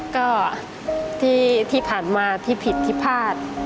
ก็ที่ผ่านมาที่ผิดที่พลาด